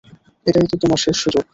এটাই তোমার শেষ সুযোগ!